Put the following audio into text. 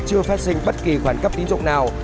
chưa phát sinh bất kỳ khoản cấp tín dụng nào